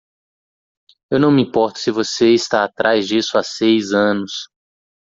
Eu não me importo se você está atrás disso há seis anos!